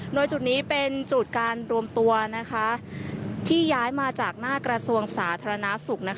โดยจุดนี้เป็นจุดการรวมตัวที่ย้ายมาจากหน้ากระทรวงสาธารณสุข